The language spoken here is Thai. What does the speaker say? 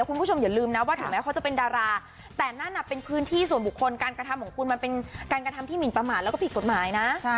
คุณผู้ชมอย่าลืมนะว่าถึงแม้เขาจะเป็นดาราแต่นั่นน่ะเป็นพื้นที่ส่วนบุคคลการกระทำของคุณมันเป็นการกระทำที่หมินประมาทแล้วก็ผิดกฎหมายนะ